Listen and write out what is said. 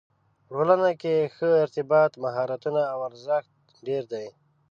په ټولنه کې د ښه ارتباط مهارتونو ارزښت ډېر دی.